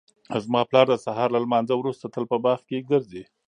زما پلار د سهار له لمانځه وروسته تل په باغ کې ګرځي